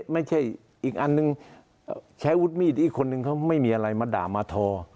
ไม่ใช่อีกอันนึงใช้วุฒิมีดอีกคนนึงเขาไม่มีอะไรมาด่ามาทอ